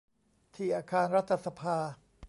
ที่อาคารรัฐสภา